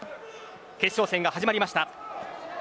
決勝戦が始まりました。